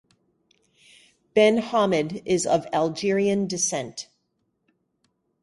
Ben Hamed is of Algerian descent.